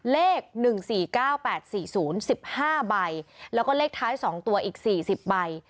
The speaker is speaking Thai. เลข๑๔๙๘๔๐๑๕ใบแล้วก็เลขท้าย๒ตัวอีก๔๐ใบ